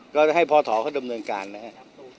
ก็ให้พอถอเขาดำเนินการนะครับ